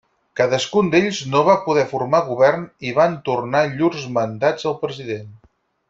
Cadascun d'ells no va poder formar govern i van tornar llurs mandats al president.